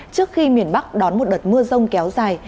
trước khi miền bắc đón một đợt mưa rông kéo dài